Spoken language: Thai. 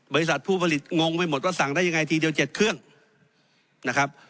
บริษัทผู้ผลิตงงไปหมดว่าสั่งได้ยังไงทีเดียว๗เครื่องนะครับ